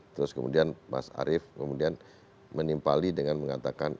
terus kemudian mas arief kemudian menimpali dengan mengatakan